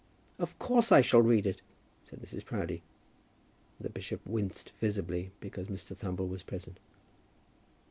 "Of course I shall read it," said Mrs. Proudie. And the bishop winced visibly, because Mr. Thumble was present.